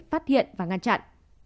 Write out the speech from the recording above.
phát hiện và ngăn chặn